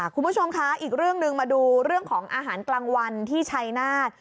คุณผู้ชมคะอีกเรื่องหนึ่งมาดูเรื่องของอาหารกลางวันที่ชัยนาธ